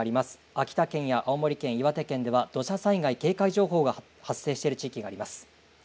秋田県や青森県、岩手県では土砂災害警戒情報が発生している地域があります。